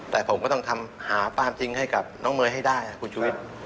แต่ผมก็ต้องทำหาความจริงให้กับน้องเมย์ให้ได้คุณชุวิต